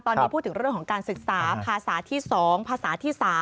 ตอนนี้พูดถึงเรื่องของการศึกษาภาษาที่๒ภาษาที่๓